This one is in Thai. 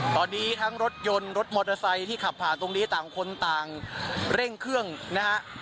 ตอนนี้ทั้งรถยนต์รถมอเตอร์ไซค์ที่ขับผ่านตรงนี้ต่างคนต่างเร่งเครื่องนะฮะ